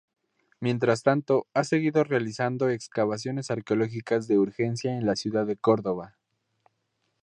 Mientras tanto, ha seguido realizando excavaciones arqueológicas de urgencia en la ciudad de Córdoba.